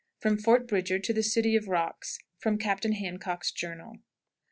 From Fort Bridger to the "City of Rocks." From Captain Handcock's Journal. Miles.